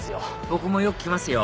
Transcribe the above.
僕もよく来ますよ